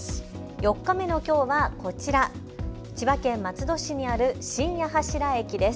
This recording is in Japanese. ４日目のきょうはこちら、千葉県松戸市にある新八柱駅です。